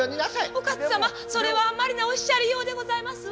お勝様それはあんまりなおっしゃりようでございますわ。